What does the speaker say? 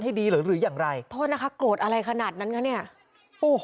ให้ดีหรือหรืออย่างไรคิดปัญชากศาลอะไรขนาดนั้นค่ะเนี่ยอ้อแล้ว